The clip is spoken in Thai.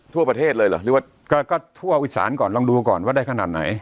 ทั่วประเทศเลยเหรอหรือว่าก็ทั่วอิสานก่อนลองดูก่อนว่าได้ขนาดไหน